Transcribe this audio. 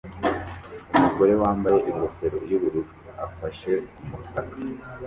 Umugore wambaye ingofero yubururu afashe umutaka